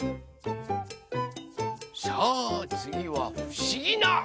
さあつぎはふしぎなはこです！